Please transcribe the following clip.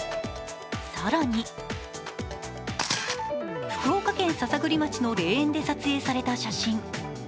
更に、福岡県篠栗町の霊園で撮影された写真。